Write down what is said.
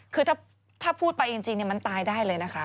คือถ้าพูดไปจริงมันตายได้เลยนะคะ